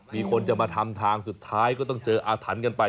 มีคนจะมาทำทางสุดท้ายก็ต้องเจออาถรรพ์กันไป